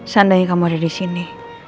seandainya kamu ada disini